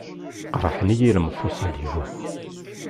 Qerrḥen-iyi lemfuṣal-iw.